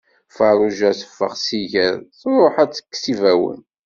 Farruǧa teffeɣ s iger, truḥ ad d-tekkes ibawen.